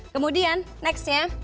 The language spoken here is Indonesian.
kemudian next ya